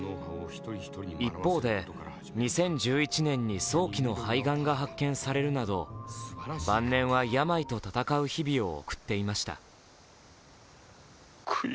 一方で、２０１１年に早期の肺がんが発見されるなど、晩年は病と闘う日々を送っていました。